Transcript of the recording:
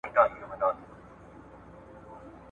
د افغانستان سویلې سیمې تل د قدرت مرکزونه ول.